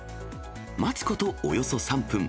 待つことおよそ３分。